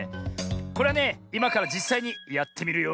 これはねいまからじっさいにやってみるよ。